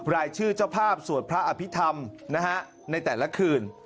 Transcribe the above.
รายชื่อเจ้าภาพสวดพระอภิษฐรรมในแต่ละคืน